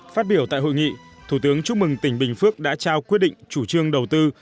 phát biểu tại hội nghị thủ tướng chúc mừng tỉnh bình phước đã trao quyết định chủ trương đầu tư